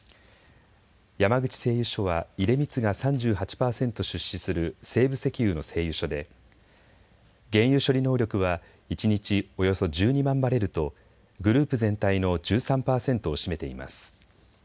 山口製油所は出光が３８％出資する西部石油の製油所で原油処理能力は一日およそ１２万バレルとグループ全体の１３％を占めています。